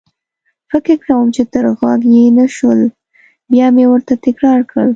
فکر کوم چې تر غوږ يې نه شول، بیا مې ورته تکرار کړل.